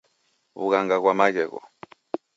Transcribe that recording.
Wughanga ghwa maghegho